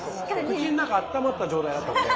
口の中あったまった状態だったので。